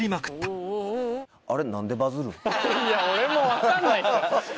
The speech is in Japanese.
いや俺も分かんないですよ！